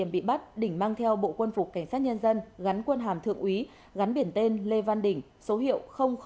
bị bắt đỉnh mang theo bộ quân phục cảnh sát nhân dân gắn quân hàm thượng úy gắn biển tên lê văn đỉnh số hiệu bốn ba trăm hai mươi ba